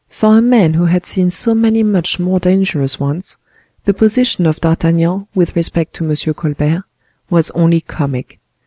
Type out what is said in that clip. For a man who had seen so many much more dangerous ones, the position of D'Artagnan with respect to M. Colbert was only comic.